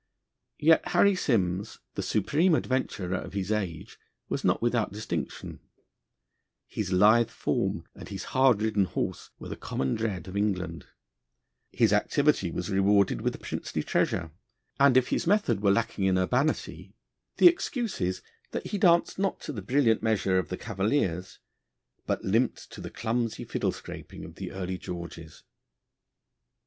Yet Harry Simms, the supreme adventurer of his age, was not without distinction; his lithe form and his hard ridden horse were the common dread of England; his activity was rewarded with a princely treasure; and if his method were lacking in urbanity, the excuse is that he danced not to the brilliant measure of the Cavaliers, but limped to the clumsy fiddle scraping of the early Georges.